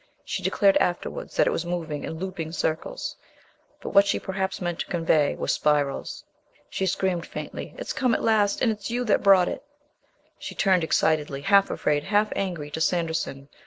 She declared afterwards that it move in "looping circles," but what she perhaps meant to convey was "spirals." She screamed faintly. "It's come at last! And it's you that brought it!" She turned excitedly, half afraid, half angry, to Sanderson.